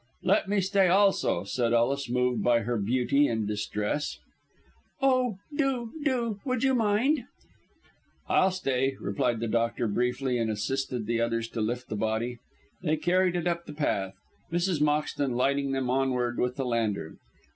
"Let me stay also!" said Ellis, moved by her beauty and distress. "Oh, do, do. Would you mind?" "I'll stay," replied the doctor, briefly, and assisted the others to lift the body. They carried it up the path, Mrs. Moxton lighting them onward with the lantern.